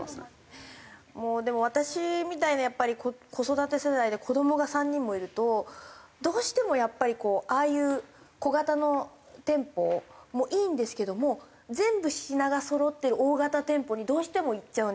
もうでも私みたいなやっぱり子育て世代で子どもが３人もいるとどうしてもやっぱりああいう小型の店舗もいいんですけども全部品がそろってる大型店舗にどうしても行っちゃうんです。